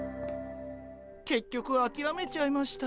けっきょくあきらめちゃいました。